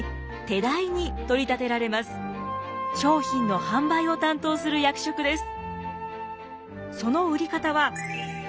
商品の販売を担当する役職です。